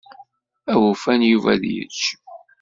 Awufan Yuba ad yečč.